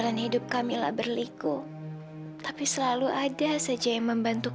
mas due aumentar tiga tahun silamthat melem orang ini